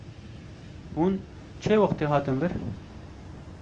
Hûn çê wextê hatin vir?